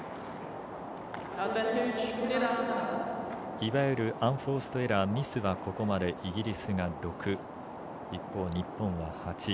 いわゆるアンフォーストエラーミスはイギリスが６一方、日本は８。